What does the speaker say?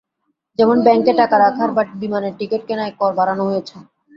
যেমন ব্যাংকে টাকা রাখায় বা বিমানের টিকিট কেনায় কর বাড়ানো হয়েছে।